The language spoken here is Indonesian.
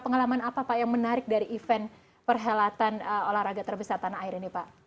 pengalaman apa pak yang menarik dari event perhelatan olahraga terbesar tanah air ini pak